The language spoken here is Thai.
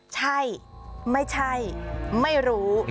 ใช่ไม่ใช่ไม่รู้